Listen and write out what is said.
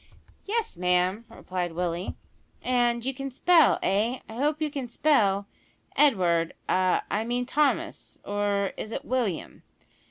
"Yes, ma'am," replied Willie. "And you can spell eh? I hope you can spell, Edward, a I mean Thomas is it, or William?"